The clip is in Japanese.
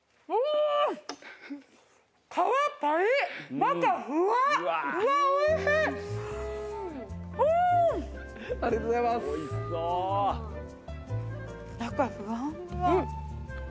中ふわっふわ。